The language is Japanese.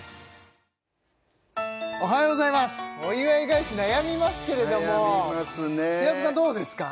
おはようございますお祝い返し悩みますけれども平子さんどうですか？